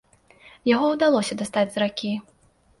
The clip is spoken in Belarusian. Яго ўдалося дастаць з ракі.